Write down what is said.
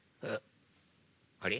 あれ？